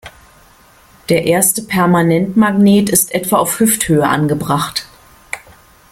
Der erste Permanentmagnet ist etwa auf Hüfthöhe angebracht.